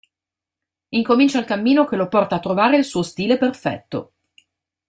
Incomincia il cammino che lo porta a trovare il suo stile perfetto.